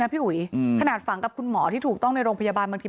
พี่อุ๋ยขนาดฝังกับคุณหมอที่ถูกต้องในโรงพยาบาลบางที